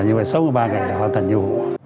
nhưng mà sáu mươi ba ngày là hoàn thành vụ